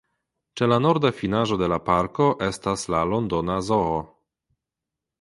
Ĉe la norda finaĵo de la parko estas la Londona Zoo.